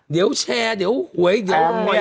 เดี๋ยวแชร์เดี๋ยวหวยเดี๋ยวหวย